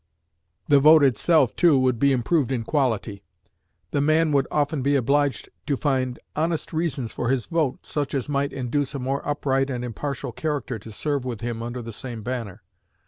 The vote itself, too, would be improved in quality. The man would often be obliged to find honest reasons for his vote, such as might induce a more upright and impartial character to serve with him under the same banner.